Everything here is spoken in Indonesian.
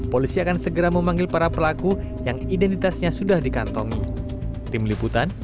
polisi akan segera memanggil para pelaku yang identitasnya sudah dikantongi